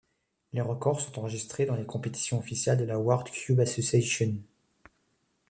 Les records sont enregistrés dans les compétitions officielles de la World Cube Association.